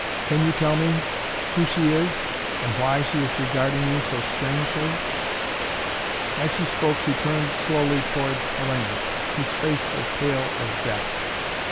Can you tell me, who she is, and why she is regarding you so strangely?" As she spoke she turned slowly towards Hellayne whose face was pale as death.